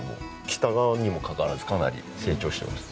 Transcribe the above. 北側にもかかわらずかなり成長してます。